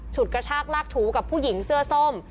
กระชากลากถูกับผู้หญิงเสื้อส้ม